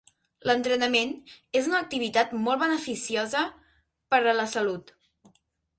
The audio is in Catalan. L'entrenament és una activitat molt beneficiosa per a la salut.